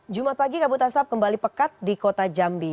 jumat pagi kabut asap kembali pekat di kota jambi